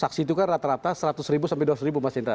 saksi itu kan rata rata seratus ribu sampai dua ratus ribu mas indra